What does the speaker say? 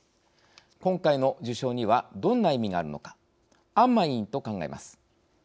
今回の受賞にはどんな意味があるのか安間委員と考えます。